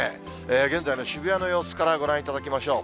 現在の渋谷の様子からご覧いただきましょう。